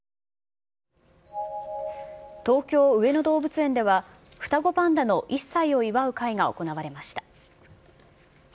東京・上野動物園では、双子パンダの１歳を祝う会が行われました。